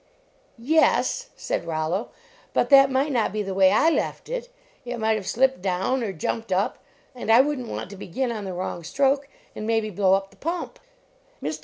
"Yes," said Rollo, " but that might not be the way I left it; it might have slipped down, or jumped up, and I wouldn t want to begin on the wrong stroke and maybe blow up the pump." Mr.